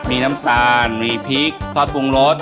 มีน้ำตาลมีพริกทอดปรุงรส